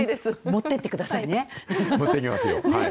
持っていきますよ。